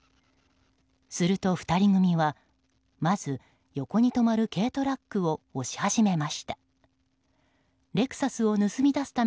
すると２人組はまず、横に止まる軽トラックを押し始めました。